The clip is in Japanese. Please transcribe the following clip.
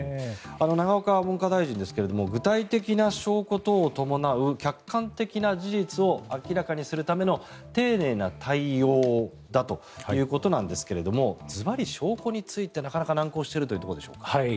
永岡文科大臣ですが具体的な証拠等を伴う、客観的な事実を明らかにするための丁寧な対応だということなんですがズバリ証拠についてなかなか難航しているというところでしょうか。